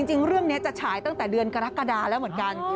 จริงเรื่องนี้จะฉายตั้งแต่เดือนกรกฎาแล้วเหมือนกัน